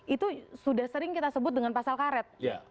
itu sudah sering kita sebut dengan pasal karet